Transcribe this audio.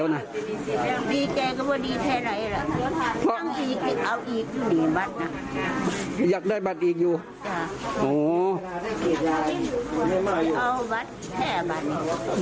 นาย